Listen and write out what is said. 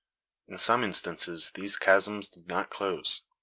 In some instances these chasms did not close.